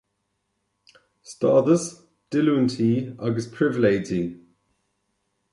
Stádas, Díolúintí agus Pribhléidí.